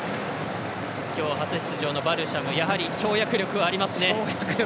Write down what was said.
今日初出場のバルシャムやはり跳躍力がありますね。